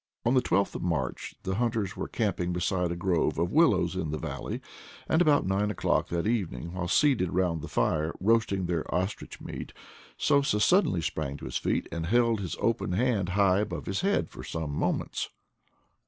On the 12th of March the hunt ers were camping beside a grove of willows in the valley, and about nine o'clock that evening, while seated round the fire roasting their ostrich meat, Sosa suddenly sprang to his feet and held his open hand high above his head for some mo ments.